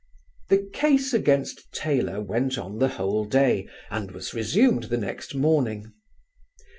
The case against Taylor went on the whole day and was resumed next morning.